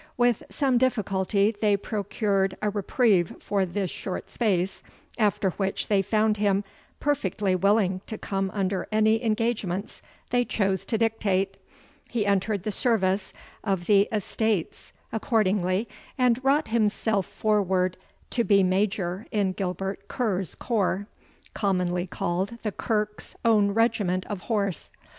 With some difficulty they procured a reprieve for this short space, after which they found him perfectly willing to come under any engagements they chose to dictate. He entered the service of the Estates accordingly, and wrought himself forward to be Major in Gilbert Ker's corps, commonly called the Kirk's Own Regiment of Horse.